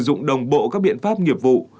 sử dụng đồng bộ các biện pháp nghiệp vụ